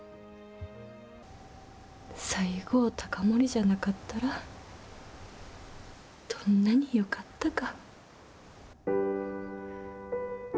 西郷隆盛じゃなかったら、どんなによかったか。